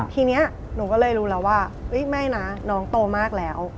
ทีนี้หนูก็เลยรู้แล้วว่าไม่นะน้องโตมากแล้ว